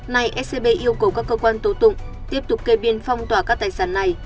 này scb yêu cầu các cơ quan tổ tụng tiếp tục kê biên phong tỏa các tài sản này